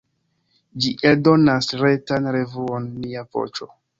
Ĝi eldonas retan revuon "Nia Voĉo".